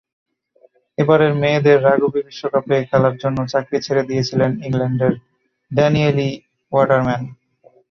এবারের মেয়েদের রাগবি বিশ্বকাপে খেলার জন্য চাকরি ছেড়ে দিয়েছিলেন ইংল্যান্ডের ড্যানিয়েলি ওয়াটারম্যান।